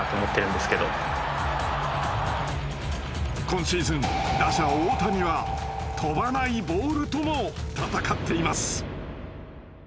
今シーズン打者大谷は飛ばないボールとも戦っています。